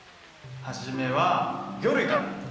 初めは魚類から。